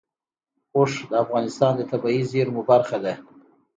اوښ د افغانستان د طبیعي زیرمو برخه ده.